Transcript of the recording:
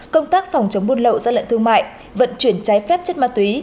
công tác phòng chống buôn lậu ra lệnh thương mại vận chuyển trái phép chất ma túy